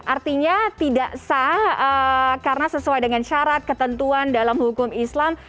artinya tidak sah karena sesuai dengan syarat ketentuan dalam hukum islam